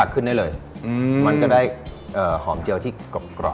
กรอบ